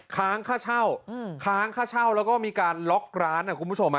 ค้างค่าเช่าค้างค่าเช่าแล้วก็มีการล็อกร้านนะคุณผู้ชม